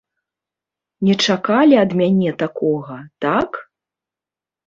Не чакалі ад мяне такога, так?